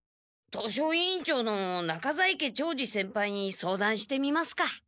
図書委員長の中在家長次先輩に相談してみますか。